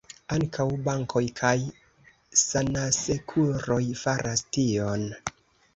Ankaŭ bankoj kaj sanasekuroj faras tion.